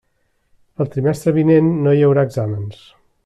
El trimestre vinent no hi haurà exàmens.